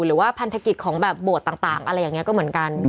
หรือว่าพันธกิจของแบบโบสถ์ต่างอะไรอย่างนี้ก็เหมือนกัน